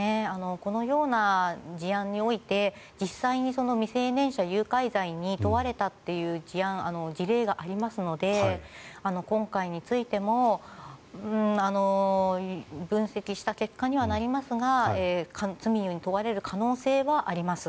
このような事案において実際に未成年者誘拐罪に問われたという事例がありますので今回についても分析した結果にはなりますが罪に問われる可能性はあります。